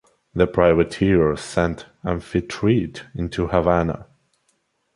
The privateer sent "Amphitrite" into Havana.